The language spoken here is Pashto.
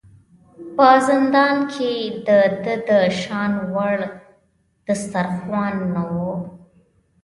په زندان کې د ده د شان وړ دسترخوان نه و.